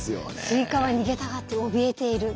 スイカは逃げたがって怯えている。